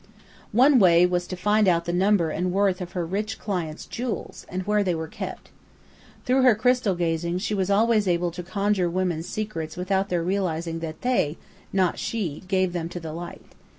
One way was to find out the number and worth of her rich clients' jewels, and where they were kept. Through her crystal gazing she was able to conjure women's secrets without their realizing that they, not she, gave them to the light.